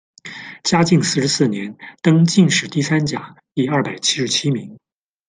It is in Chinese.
嘉靖四十四年，登进士第三甲第二百七十七名。